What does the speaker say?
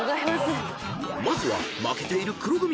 ［まずは負けている黒組から］